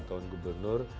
empat tahun gubernur